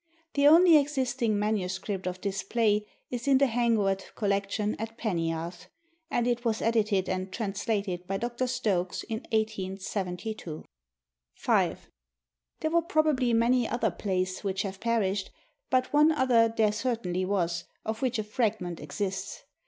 The only existing MS. of this play is in the Hengwrt collection at Peniarth, and it was edited and translated by Dr. Stokes in 1872. 5. There were probably many other plays which have perished, but one other there certainly was, of which a fragment exists.